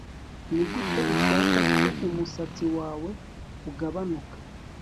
nigute ushaka ko umusatsi wawe ugabanuka